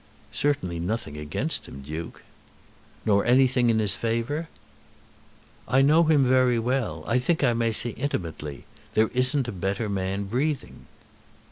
"Certainly nothing against him, Duke." "Nor anything in his favour?" "I know him very well, I think I may say intimately. There isn't a better man breathing."